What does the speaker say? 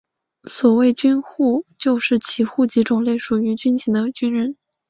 所谓的军户就是其户籍种类属于军籍的军人。